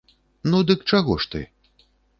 Ну, дык чаго ж ты?